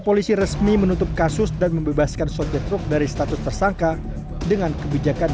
polisi resmi menutup kasus dan membebaskan sopir truk dari status tersangka dengan kebijakan